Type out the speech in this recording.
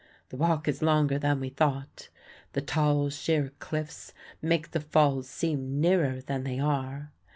The walk is longer than we thought. The tall, sheer cliffs make the falls seem nearer than they are.